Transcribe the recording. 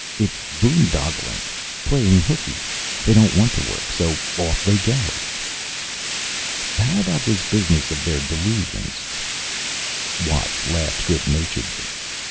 It's boondoggling. Playing hookey. They don't want to work, so off they go." "How about this business of their delusions?" Watts laughed good naturedly.